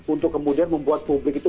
untuk kemudian membuat publik itu